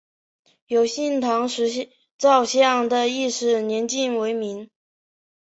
永兴堂石造像的历史年代为明。